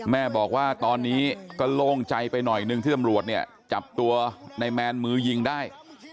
แม่บอกว่าตอนนี้ก็โล่งใจไปหน่อยหนึ่งที่ตำรวจเนี่ยจับตัวในแมนมือยิงได้